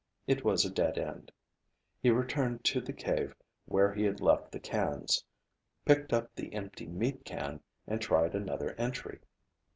It was a dead end. He returned to the cave where he had left the cans, picked up the empty meat can, and tried another entry.